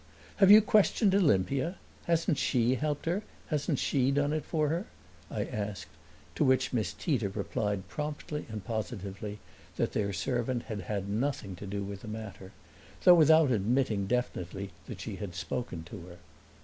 "Have you questioned Olimpia? Hasn't she helped her hasn't she done it for her?" I asked; to which Miss Tita replied promptly and positively that their servant had had nothing to do with the matter, though without admitting definitely that she had spoken to her.